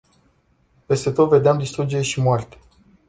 Peste tot vedeam distrugere și moarte.